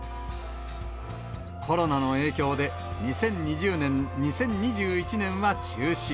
コロナの影響で２０２０年、２０２１年は中止。